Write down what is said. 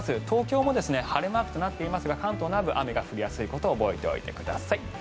東京も晴れマークとなっていますが関東南部、雨が降りやすいことを覚えておいてください。